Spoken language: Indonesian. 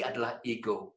i adalah ego